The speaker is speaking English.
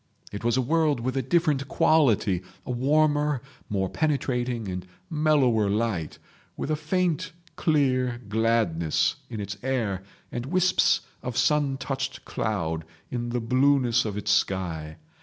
It was a world with a different quality, a warmer, more penetrating and mellower light, with a faint clear gladness in its air, and wisps of sun touched cloud in the blueness of its sky.